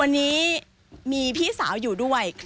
วันนี้มีพี่สาวอยู่ด้วย